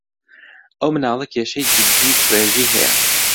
ئەو مناڵە کێشەی جددی کڕێژی ھەیە.